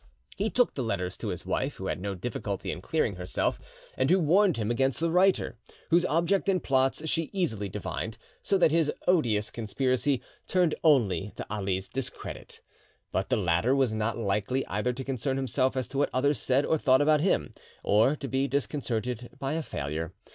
He took the letters; to his wife, who had no difficulty in clearing herself, and who warned him against the writer, whose object and plots she easily divined, so that this odious conspiracy turned only to Ali's discredit. But the latter was not likely either to concern himself as to what others said or thought about him or to be disconcerted by a failure.